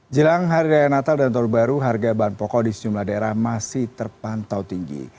jelang hari raya natal dan tahun baru harga bahan pokok di sejumlah daerah masih terpantau tinggi